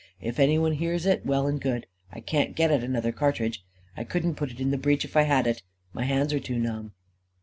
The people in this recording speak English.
"If anyone hears it, well and good. I can't get at another cartridge. I couldn't put it into the breech if I had it. My hands are too numb."